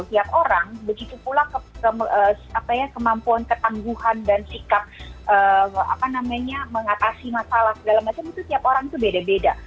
setiap orang begitu pula kemampuan ketangguhan dan sikap mengatasi masalah segala macam itu tiap orang itu beda beda